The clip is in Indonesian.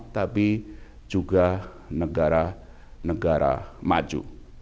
tapi juga negara negara maju